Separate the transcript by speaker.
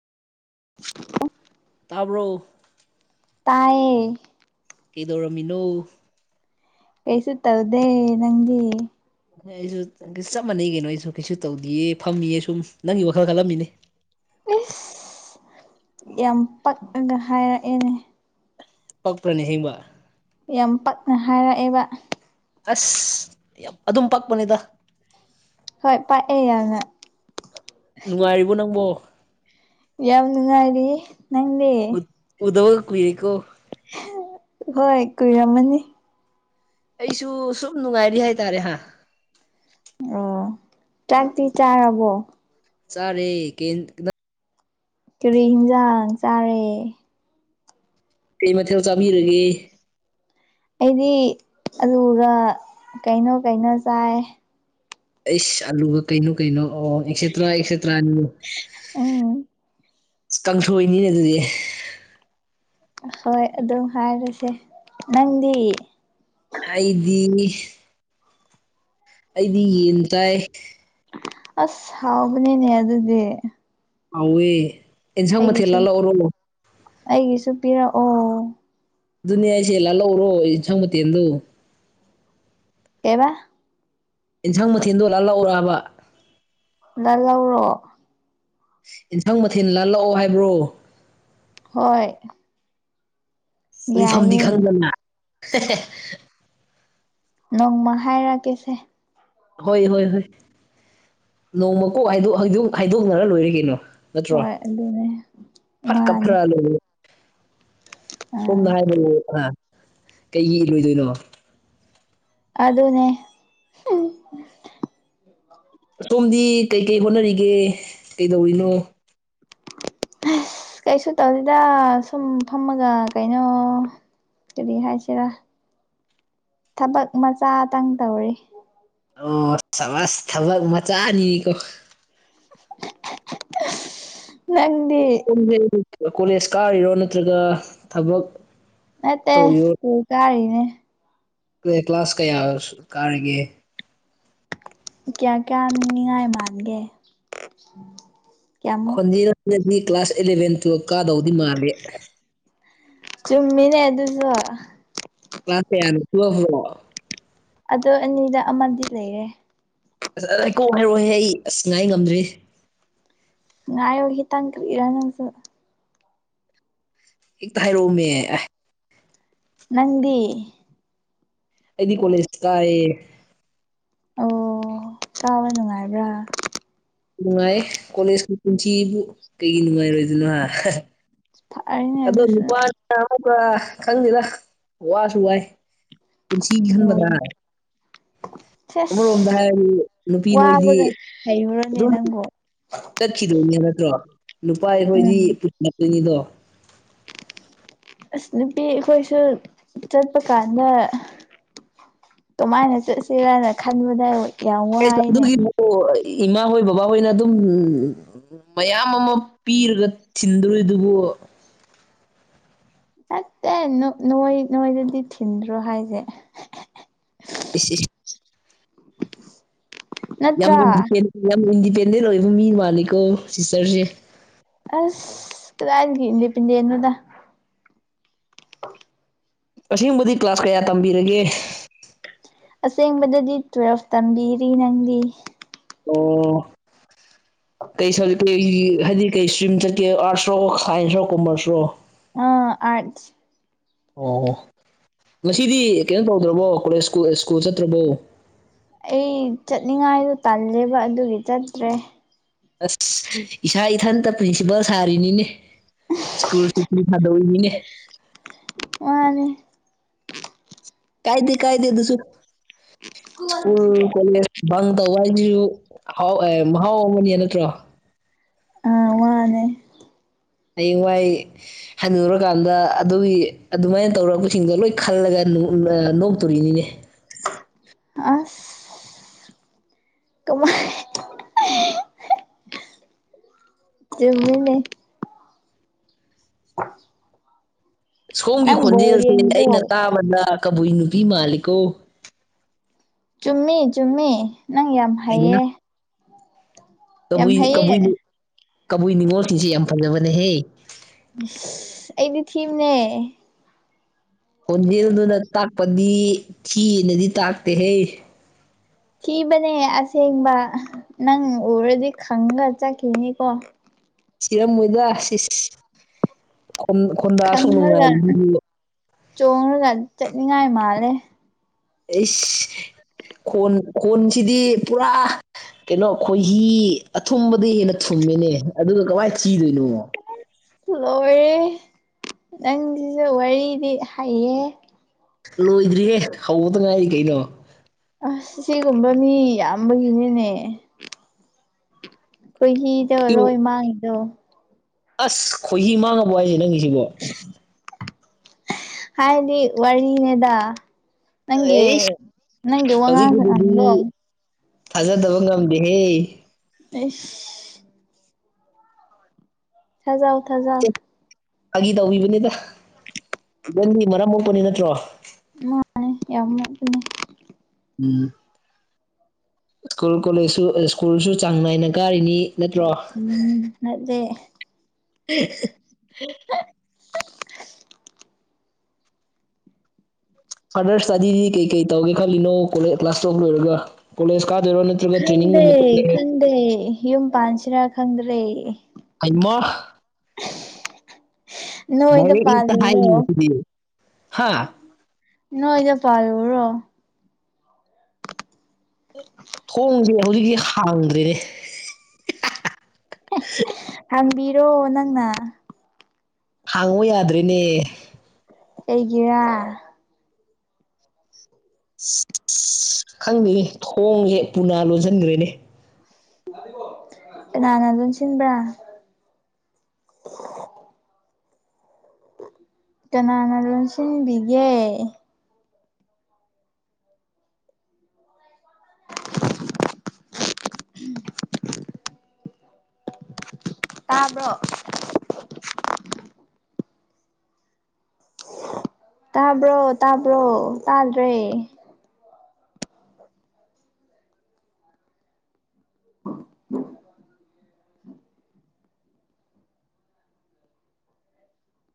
Speaker 1: [unintelligible]
Speaker 2: ꯇꯥꯕꯔꯣ꯫
Speaker 1: ꯇꯌꯦ꯫
Speaker 2: ꯀꯩꯗꯧꯔꯝꯃꯤꯅꯣ꯫
Speaker 1: ꯀꯩꯁꯨ ꯇꯗꯦ ꯅꯪꯒꯤ꯫
Speaker 2: ꯑꯩꯁꯨ ꯆꯞ ꯃꯥꯟꯅꯩ ꯀꯩꯅꯣ ꯑꯩꯁꯨ ꯀꯩꯁꯨ ꯇꯧꯗꯌꯦ ꯐꯝꯃꯤꯌꯦ ꯁꯨꯝ ꯅꯪꯒꯤ ꯋꯥꯈꯜ ꯈꯜꯂꯝꯃꯤꯅꯦ꯫
Speaker 1: ꯏꯁ ꯌꯥꯝ ꯄꯛꯑꯒ ꯍꯥꯏꯔꯛꯑꯦꯅꯦ꯫
Speaker 2: ꯄꯛꯄ꯭ꯔꯅꯦ ꯍꯦꯡꯕ꯫
Speaker 1: ꯌꯥꯝ ꯄꯛꯅ ꯍꯥꯏꯔꯛꯑꯦꯕ꯫
Speaker 2: ꯑꯁ ꯌꯥꯝ ꯑꯗꯨꯝ ꯄꯛꯄꯅꯤꯗ꯫
Speaker 1: ꯍꯣꯏ ꯄꯥꯛꯑꯦ ꯌꯥꯅ꯫
Speaker 2: ꯅꯨꯡꯉꯥꯏꯔꯤꯕꯣ ꯅꯪꯕꯣ꯫
Speaker 1: ꯌꯥꯝ ꯅꯨꯡꯉꯍꯥꯏꯔꯤ꯫
Speaker 2: ꯎ ꯎꯗꯕ ꯀꯏꯔꯀꯣ꯫
Speaker 1: ꯍꯣꯏ ꯀꯨꯏꯔꯝꯃꯅꯤ꯫
Speaker 2: ꯑꯩꯁꯨ ꯁꯨꯝ ꯅꯨꯡꯉꯥꯏꯔꯤ ꯍꯥꯏꯇꯥꯔꯦ ꯍꯥ꯫
Speaker 1: ꯑꯣ ꯆꯥꯛꯇꯤ ꯆꯥꯔꯕꯣ꯫
Speaker 2: ꯆꯥꯔꯦ ꯀꯩꯟ [unintelligible]
Speaker 1: ꯀꯔꯤ ꯍꯤꯟꯖꯥꯡ ꯆꯥꯔꯦ꯫
Speaker 2: ꯀꯩ ꯃꯊꯦꯜ ꯆꯥꯕꯤꯔꯒꯦ꯫
Speaker 1: ꯑꯩꯗꯤ ꯑꯂꯨꯒ ꯀꯩꯅꯣ ꯀꯩꯅꯣ ꯆꯥꯏ꯫
Speaker 2: ꯑꯦꯁ ꯑꯜꯂꯨꯒ ꯀꯩꯅꯣ ꯀꯩꯅꯣ꯫ ꯑꯣ ꯑꯦꯛꯁꯇ꯭ꯔꯥ ꯑꯦꯛꯁꯇ꯭ꯔꯥꯅꯤ
Speaker 1: ꯎꯝ
Speaker 2: ꯀꯥꯡꯁꯣꯏꯅꯤꯅꯦ ꯑꯗꯨꯗꯤ꯫
Speaker 1: ꯍꯣꯏ ꯑꯗꯨꯝ ꯍꯥꯏꯔꯁꯦ ꯅꯪꯗꯤ꯫
Speaker 2: ꯑꯩꯗꯤ꯫ ꯑꯩꯗꯤ ꯌꯦꯟ ꯆꯥꯏ꯫
Speaker 1: ꯑꯁ ꯍꯥꯎꯕꯅꯤꯅꯦ ꯑꯗꯨꯗꯤ꯫
Speaker 2: ꯍꯥꯎꯋꯦ ꯑꯦꯟꯁꯥꯡ ꯃꯊꯦꯜ
Speaker 1: ꯑꯩꯒꯤꯁꯨ
Speaker 2: ꯂꯥꯜꯂꯛꯑꯣꯔꯣ꯫
Speaker 1: ꯑꯩꯒꯤꯁꯨ ꯄꯤꯔꯛꯑꯣ꯫
Speaker 2: ꯑꯗꯨꯅꯤ ꯍꯥꯏꯁꯦ ꯂꯥꯜꯍꯛꯎꯔꯣ ꯌꯦꯟꯁꯥꯡ ꯃꯊꯦꯜꯗꯨ
Speaker 1: ꯀꯩꯌꯦꯕꯥ
Speaker 2: ꯌꯦꯟꯁꯥꯡ ꯃꯊꯦꯜꯗꯣ ꯂꯥꯜꯂꯛꯎꯔꯛꯑꯕ
Speaker 1: ꯂꯥꯜꯂꯧꯔꯣ
Speaker 2: ꯌꯦꯟꯁꯪ ꯃꯊꯦꯜ ꯂꯥꯜꯂꯛꯑꯣ ꯍꯥꯏꯕ꯭ꯔꯣ
Speaker 1: ꯍꯣꯏ
Speaker 2: ꯂꯩꯐꯝꯗꯤ
Speaker 1: ꯌꯥꯏꯌꯦ
Speaker 2: ꯈꯪꯗꯅ
Speaker 1: ꯅꯣꯡꯃ ꯍꯥꯏꯔꯛ ꯀꯦꯁꯦ
Speaker 2: ꯍꯣꯏ ꯍꯣꯏ ꯍꯣꯏ ꯅꯣꯡꯃꯀꯣꯛ ꯍꯥꯏ ꯍꯥꯏꯗꯣꯛ ꯍꯥꯏꯗꯣꯛꯅꯔ ꯂꯣꯏꯔꯦ ꯀꯩꯅꯣ ꯅꯠꯇ꯭ꯔꯣ
Speaker 1: ꯍꯣꯏ ꯑꯗꯨꯅꯦ
Speaker 2: ꯐꯠ
Speaker 1: ꯃꯥꯅꯦ
Speaker 2: ꯀꯥꯞꯈꯠꯂ ꯂꯣꯢꯔꯦ
Speaker 1: ꯑꯥ
Speaker 2: ꯁꯣꯝꯅ ꯍꯥꯏꯕꯗ ꯑ ꯀꯩꯒꯤ ꯏꯜꯂꯣꯢꯗꯣꯏꯅꯣ
Speaker 1: ꯑꯗꯨꯅꯦ
Speaker 2: ꯑꯁꯣꯝꯗꯤ ꯀꯩꯀꯩ ꯍꯣꯠꯅꯔꯤꯒꯦ ꯀꯩꯗꯧꯔꯤꯅꯣ
Speaker 1: ꯑꯁ ꯀꯩꯁꯨ ꯇꯧꯗꯦꯗ ꯁꯨꯝ ꯐꯝꯃꯒ ꯀꯩꯅꯣ ꯀꯔꯤ ꯍꯥꯏꯁꯤꯔ ꯊꯕꯛ ꯃꯆꯥꯇꯪ ꯇꯧꯔꯤ
Speaker 2: ꯑꯣ ꯁꯕꯥꯁ ꯊꯕꯛ ꯃꯆꯥꯅꯤꯀꯣ
Speaker 1: [unintelligible] ꯅꯪ
Speaker 2: ꯀꯣꯂꯦꯖ ꯀꯥꯔꯤꯔꯣ ꯅꯠꯇ꯭ꯔꯒ ꯊꯕꯛ
Speaker 1: ꯅꯠꯇꯦ ꯁ꯭ꯀꯨꯜ ꯀꯥꯔꯤꯅꯦ
Speaker 2: ꯀꯔꯤ ꯀ꯭ꯂꯥꯁ ꯀꯌꯥ ꯀꯥꯔꯤꯒꯦ
Speaker 1: ꯀꯌꯥ ꯀꯌꯥꯅꯤꯉꯥꯏ ꯃꯥꯥꯟꯒꯦ
Speaker 2: ꯈꯣꯟꯖꯦꯜꯗꯥꯗꯤ ꯀ꯭ꯂꯥꯁ ꯏꯂꯚꯦꯟ ꯇꯨꯌꯦꯜꯞ ꯀꯥꯗꯧꯗꯤ ꯃꯥꯜꯂꯦ
Speaker 1: ꯆꯨꯝꯃꯤꯅꯦ ꯑꯗꯨꯁꯨ
Speaker 2: ꯀ꯭ꯂꯥꯁ ꯀꯥꯌꯅꯣ ꯇꯨꯌꯦꯜꯞ ꯂꯣ
Speaker 1: ꯑꯗꯨ ꯑꯅꯤꯗ ꯑꯃꯗꯤ ꯂꯩꯔꯦ
Speaker 2: ꯑꯁ ꯑꯩ ꯀꯣꯛ ꯍꯥꯏꯔꯣꯍꯦ ꯑꯩ ꯑꯁ ꯉꯥꯏ ꯉꯝꯗ꯭ꯔꯦ
Speaker 1: ꯉꯥꯢꯌꯨ ꯈꯤꯇꯪ ꯀꯔꯤꯔ ꯅꯪꯁꯨ
Speaker 2: ꯍꯦꯛꯇ ꯍꯥꯏꯔꯣꯝꯃꯤ
Speaker 1: ꯅꯪꯗꯤ
Speaker 2: ꯑꯩꯗꯤ ꯀꯣꯂꯦꯖ ꯀꯥꯢꯌꯦ
Speaker 1: ꯑꯣ ꯀꯥꯕ ꯅꯨꯡꯉꯥꯏꯕ꯭ꯔꯥ
Speaker 2: ꯅꯨꯡꯉꯥꯏ ꯀꯣꯂꯦꯖꯀꯤ ꯄꯨꯟꯁꯤꯕꯨ ꯀꯩꯒꯤ ꯅꯨꯡꯉꯥꯏꯔꯣꯏꯗꯣꯏꯅꯣ ꯍꯥ
Speaker 1: ꯐꯔꯦꯅꯦ
Speaker 2: ꯑꯗꯣ
Speaker 1: ꯑꯗꯨꯁꯨ
Speaker 2: ꯅꯨꯄꯥꯅꯤꯅ ꯑꯃꯨꯛꯀ ꯈꯪꯗꯦꯗ ꯋꯥꯁꯨ ꯋꯥꯏ ꯄꯨꯟꯁꯤꯒꯤ ꯈꯟꯒꯗ꯭ꯔꯥ
Speaker 1: ꯑꯣ
Speaker 2: ꯑꯃꯔꯣꯝꯗ
Speaker 1: ꯁꯦꯁ
Speaker 2: ꯍꯥꯏꯔꯗꯤ ꯅꯨꯄꯤ ꯅꯣꯏꯗꯤ
Speaker 1: ꯋꯥꯕꯒ ꯍꯩꯕ꯭ꯔꯣꯅꯦ
Speaker 2: ꯑꯗꯨꯝ
Speaker 1: ꯅꯪꯕꯨ
Speaker 2: ꯆꯠꯈꯤꯗꯣꯏꯅꯦ ꯅꯠꯇ꯭ꯔꯣ ꯅꯨꯄꯥ ꯑꯩꯈꯣꯏꯗꯤ
Speaker 1: ꯎꯝ
Speaker 2: ꯄꯨꯁꯤꯜꯂꯛꯇꯣꯏꯅꯤꯗꯣ
Speaker 1: ꯑꯁ ꯅꯨꯄꯤ ꯑꯩꯈꯣꯏꯁꯨ ꯆꯠꯄ ꯀꯥꯟꯗ ꯀꯃꯥꯏꯅ ꯆꯠꯁꯤꯔꯅ ꯈꯟꯕꯗ ꯌꯥꯝ ꯋꯥꯏꯅꯦ
Speaker 2: ꯑꯗꯨꯒꯤꯕꯨ ꯏꯃꯥ ꯍꯣꯏ ꯕꯕꯥꯍꯣꯏꯅ ꯑꯗꯨꯝ ꯃꯌꯥꯝ ꯑꯃ ꯄꯤꯔꯒ ꯊꯤꯟꯗꯣꯔꯤ ꯑꯗꯨꯕꯨ
Speaker 1: ꯅꯠꯇꯦ ꯅꯣꯏ ꯅꯣꯏꯗꯗꯤ ꯊꯤꯟꯗ꯭ꯔꯣ ꯍꯥꯏꯁꯦ
Speaker 2: ꯁꯤ ꯌꯥꯝ
Speaker 1: ꯅꯠꯇ꯭ꯔꯥ
Speaker 2: ꯏꯟꯗꯤꯄꯦꯟꯗ ꯌꯥꯝ ꯏꯟꯗꯤꯄꯦꯟꯗꯦꯟ ꯑꯣꯏꯕ ꯃꯤ ꯃꯥꯜꯜꯂꯤꯀꯣ ꯁꯤꯁꯇꯔꯁꯦ
Speaker 1: ꯑꯁ ꯀꯗꯥꯅꯤ ꯀ ꯄꯦꯟꯗ ꯏꯅꯗ
Speaker 2: ꯑꯁꯤꯒꯨꯝꯕꯗꯤ ꯀ꯭ꯂꯥꯁ ꯀꯌꯥ ꯇꯝꯕꯤꯔꯒꯦ
Speaker 1: ꯑꯁꯦꯡꯕꯗꯗꯤ ꯇꯨꯋꯦꯜꯐ ꯇꯝꯕꯤꯔꯤ ꯅꯪꯗꯤ
Speaker 2: ꯑꯣ ꯀꯩ ꯁꯕꯖꯦ ꯀ ꯍꯥꯏꯗꯤ ꯀꯩ ꯏꯁꯇ꯭ꯔꯤꯝ ꯆꯠꯀꯦ ꯑꯥꯔꯠꯁ ꯔꯣ ꯁꯥꯏꯟꯁ꯭ꯔꯣ ꯀꯣꯃꯔꯁ꯭ꯔꯣ
Speaker 1: ꯑꯥ ꯑꯥꯠꯁ
Speaker 2: ꯑꯣ ꯉꯁꯤꯗꯤ ꯀꯩꯅꯣ ꯇꯧꯗ꯭ꯔꯕꯣ ꯀꯣꯂꯦꯖꯨ ꯁ꯭ꯀꯨꯜ ꯆꯠꯇ꯭ꯔꯕꯣ
Speaker 1: ꯑꯩ ꯆꯠꯅꯤꯡꯉꯥꯏꯗꯣ ꯇꯜꯂꯦꯕ ꯑꯗꯨꯒꯤ ꯆꯠꯇ꯭ꯔꯦ
Speaker 2: ꯑꯁ ꯏꯁꯥ ꯏꯊꯟꯇ ꯄ꯭ꯔꯤꯟꯁꯤꯄꯥꯜ ꯁꯥꯔꯤꯅꯤꯅꯦ ꯁ꯭ꯀꯨꯜ ꯊꯥꯗꯅꯤꯡꯉꯦ
Speaker 1: ꯑꯅꯦ
Speaker 2: ꯀꯥꯏꯗꯤ ꯀꯥꯏꯗ ꯑꯗꯨꯁꯨ ꯁ꯭ꯀꯨꯜ ꯀꯣꯂꯦꯖ ꯇꯧ ꯋꯥ ꯑꯩꯁꯨꯥꯎ ꯃꯍꯥꯎ ꯑꯃꯅꯦ ꯅꯠꯇ꯭ꯔꯣ
Speaker 1: ꯑꯥ ꯋꯥꯅꯦ
Speaker 2: ꯍꯌꯡꯋꯥꯏ ꯍꯅꯨꯔꯀꯥꯟꯗ ꯑꯗꯨꯒꯤ ꯑꯗꯨꯃꯥꯏꯅ ꯇꯧꯔꯝꯕꯁꯤꯡꯗꯣ ꯂꯣꯏ ꯈꯜꯂꯒ ꯅꯣꯛꯇꯣꯔꯤꯅꯤꯅꯦ
Speaker 1: ꯑꯁ ꯀꯃꯥꯏ ꯆꯃꯤꯅꯦ [unintelligible]
Speaker 2: ꯁꯣꯝꯒꯤ
Speaker 1: ꯅꯪ ꯕꯣꯜ
Speaker 2: ꯈꯣꯟꯖꯦꯜꯁꯦ ꯑꯩꯅ
Speaker 1: ꯌꯦꯡꯗ꯭ꯔꯣ
Speaker 2: ꯇꯥꯕꯗ ꯀꯕꯨꯏ ꯅꯨꯄꯤ ꯃꯥꯜꯂꯤꯀꯣ
Speaker 1: ꯆꯨꯝꯃꯤ ꯆꯨꯝꯃꯤ ꯅꯪ ꯌꯥꯝ ꯍꯩꯑ
Speaker 2: ꯕꯨ ꯀꯕꯨ ꯀꯕꯨꯏ ꯅꯤꯡꯅꯤꯉꯣꯜꯇꯤꯁꯦ ꯌꯥꯝ ꯐꯖꯕꯅꯦꯍꯦ
Speaker 1: ꯑꯩꯗꯤ ꯊꯤꯝꯅꯦ
Speaker 2: ꯈꯣꯟꯖꯦꯜꯗꯨꯅ ꯇꯥꯛꯄꯗꯤ ꯊꯤꯅꯗꯤ ꯇꯥꯛꯇꯦ ꯍꯩ
Speaker 1: ꯊꯤꯕꯅꯦ ꯑꯁꯦꯡꯕ ꯅꯪ ꯎꯔꯗꯤ ꯈꯪꯒ ꯆꯠꯈꯤꯅꯤꯀꯣ
Speaker 2: ꯁꯤꯔꯝꯃꯣꯏꯗ꯭ꯔ ꯁꯤꯁ ꯈꯣꯟꯗꯥꯑꯁꯨ
Speaker 1: ꯈꯪꯉꯒ
Speaker 2: ꯅꯨꯡꯉꯥꯏ
Speaker 1: ꯆꯣꯡꯉꯒ ꯆꯠꯅꯤꯡꯉꯥꯏ ꯃꯥꯜꯂꯦ
Speaker 2: ꯑꯩ ꯈꯣꯟ ꯈꯣꯟꯁꯤꯗꯤ ꯄꯨꯔꯥ ꯀꯩꯅꯣ ꯈꯣꯏꯍꯤ ꯑꯊꯨꯝꯕꯗ ꯍꯦꯟꯅ ꯊꯨꯝ ꯃꯤꯅꯦ ꯑꯗꯨꯒ ꯀꯃꯏ ꯆꯤꯗꯣꯏꯅꯣ
Speaker 1: ꯂꯣꯏꯔꯦ ꯅꯪꯁꯤꯁꯨ ꯋꯥꯔꯤꯗꯤ ꯍꯩꯌꯦ
Speaker 2: ꯂꯣꯏꯗ꯭ꯔꯤꯍꯦ ꯍꯧꯕꯗ ꯉꯥꯏꯔꯤ ꯀꯩꯅꯣ
Speaker 1: ꯑꯁ ꯁꯤꯒꯨꯝꯕ ꯃꯤ ꯌꯥꯝꯕꯒꯤꯅꯤꯅꯦ ꯑꯩꯈꯣꯏꯍꯤꯗ
Speaker 2: ꯏꯕꯨ
Speaker 1: ꯂꯣꯏ ꯃꯥꯡꯉꯤꯗꯣ
Speaker 2: ꯑꯁ ꯈꯣꯏꯍꯤ ꯃꯥꯡꯉꯕꯣ ꯍꯥꯏꯁꯦ ꯅꯪꯒꯤ ꯁꯤꯕꯣ
Speaker 1: ꯍꯥꯏꯗꯤ ꯋꯥꯔꯤꯅꯦꯗ ꯅꯪ
Speaker 2: ꯑꯩꯁ
Speaker 1: ꯅꯪ ꯋꯥꯉ
Speaker 2: ꯍꯧꯖꯤꯛꯀꯤꯗꯨꯗꯤ ꯊꯥꯖꯗꯕ ꯉꯝꯗꯦꯍꯦ
Speaker 1: ꯑꯦꯁ ꯊꯖꯥꯎ ꯊꯖꯥꯎ
Speaker 2: ꯑꯥꯒꯤ ꯇꯧꯕꯤꯕꯅꯤꯗ ꯏꯕꯟꯒꯤ ꯃꯔꯝ ꯃꯣꯛꯄꯅꯤ ꯅꯠꯇ꯭ꯔꯣ
Speaker 1: ꯃꯥꯅꯦ ꯌꯥꯝ ꯑꯗꯨꯅꯦ
Speaker 2: ꯎꯝ ꯏꯁ꯭ꯀꯨꯜ ꯀꯣꯂꯦꯖꯁꯨ ꯁ꯭ꯀꯨꯜꯁꯨ ꯆꯥꯡ ꯅꯥꯏꯅ ꯀꯥꯔꯤꯅꯤ ꯅꯠꯇ꯭ꯔꯣ
Speaker 1: ꯎꯝ ꯑꯗꯦ
Speaker 2: [unintelligible] ꯐꯗꯔꯁꯇꯥꯗꯤꯗꯤ ꯀꯩ ꯀꯩ ꯇꯧꯒꯦ ꯈꯜꯂꯤꯅꯣ ꯀꯣꯂꯦꯖ ꯀ꯭ꯂꯥꯁ ꯇꯧꯕ ꯂꯣꯏꯔꯒ ꯀꯣꯂꯦꯖ ꯀ
Speaker 1: ꯈꯪꯗꯦ ꯈꯪꯗꯦ ꯌꯨꯝ ꯄꯥꯟꯁꯤꯔꯥ ꯈꯪꯗ꯭ꯔꯦ
Speaker 2: ꯑꯃ
Speaker 1: ꯅꯣꯏꯗ
Speaker 2: ꯦ ꯏ ꯇ ꯍꯥꯏ
Speaker 1: ꯄꯥꯜꯂꯨꯔꯣ
Speaker 2: ꯍꯥ
Speaker 1: ꯅꯣꯏꯗ ꯄꯣꯔꯣ
Speaker 2: ꯊꯣꯡꯁꯦ ꯍꯧꯖꯤꯛꯇꯤ ꯍꯥꯡꯗ꯭ꯔꯦꯅꯦ
Speaker 1: ꯍꯪꯕꯤꯔꯣ ꯅꯪꯅ
Speaker 2: ꯍꯥꯡꯉ ꯌꯥꯗ꯭ꯔꯔꯤꯅꯦ
Speaker 1: ꯑꯩꯒꯤꯔ
Speaker 2: ꯈꯪꯗꯦꯅꯤ ꯊꯣꯡꯁꯦ ꯄꯨꯅꯥ ꯂꯣꯟꯁꯤꯟꯈ꯭ꯔꯦꯅꯦ
Speaker 1: ꯅꯥꯅ ꯑꯗꯨꯅ ꯁꯤꯟꯕ꯭ꯔꯥ ꯀꯅꯥꯅ ꯂꯣꯟꯁꯤꯟꯕꯤꯒꯦ ꯇꯥꯕ꯭ꯔꯣ ꯇꯥꯕ꯭ꯔꯣ ꯇꯥꯕ꯭ꯔꯣ ꯇꯥꯗ꯭ꯔꯦ ꯑ